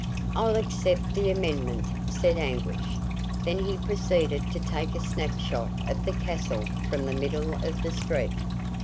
"I'll accept the amendment," said Anguish. Then he proceeded to take a snap shot of the castle from the middle of the street.